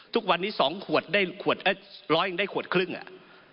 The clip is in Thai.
ทุกวันนี้๒ขวดได้ขวดร้อยยังได้ขวดครึ่งอ่ะ